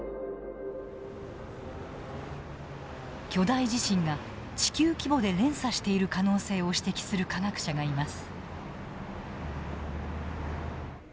巨大地震が地球規模で連鎖している可能性を指摘する科学者がいます。